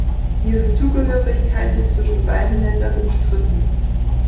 Ihre Zugehörigkeit ist zwischen beiden Ländern umstritten.